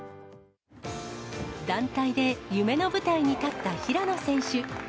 団体で夢の舞台に立った平野選手。